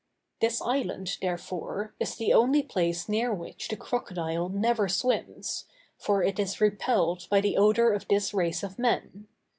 This island, therefore, is the only place near which the crocodile never swims; for it is repelled by the odor of this race of men.